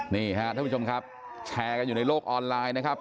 นี่ฮะท่านผู้ชมครับแชร์กันอยู่ในโลกออนไลน์นะครับ